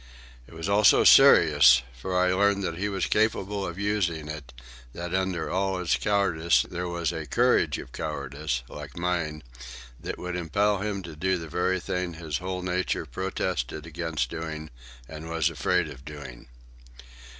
It was also serious, for I learned that he was capable of using it, that under all his cowardice there was a courage of cowardice, like mine, that would impel him to do the very thing his whole nature protested against doing and was afraid of doing.